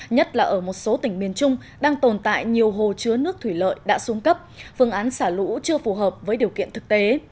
nhất là ở một số tỉnh miền trung đang tồn tại nhiều hồ chứa nước thủy lợi đã xuống cấp phương án xả lũ chưa phù hợp với điều kiện thực tế